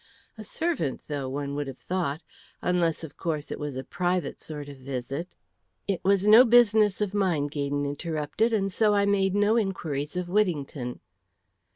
A servant, though, one would have thought, unless, of course, it was a private sort of visit " "It was no business of mine," Gaydon interrupted; "and so I made no inquiries of Whittington."